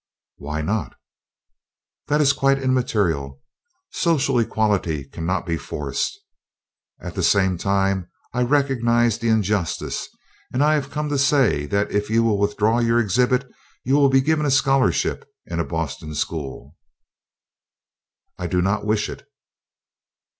"Why not?" "That is quite immaterial. Social equality cannot be forced. At the same time I recognize the injustice, and I have come to say that if you will withdraw your exhibit you will be given a scholarship in a Boston school." "I do not wish it."